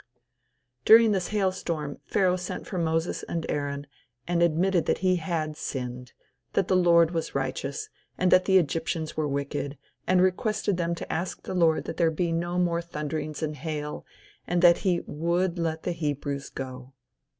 During this hail storm Pharaoh sent for Moses and Aaron and admitted that he had sinned, that the Lord was righteous, and that the Egyptians were wicked, and requested them to ask the Lord that there be no more thunderings and hail, and that he would let the Hebrews go.